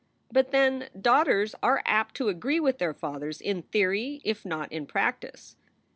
But then, daughters are apt to agree with their fathers in theory if not in practice.